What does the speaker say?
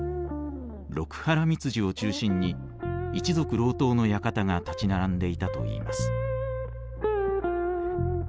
六波羅蜜寺を中心に一族郎党の館が立ち並んでいたといいます。